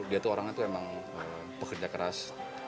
dia tuh orangnya tuh emang pekerja keras